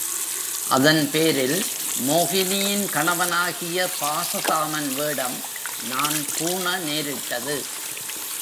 அதன்பேரில் மோகினியின் கணவனாகிய பாசதாமன் வேடம் நான் பூண நேரிட்டது.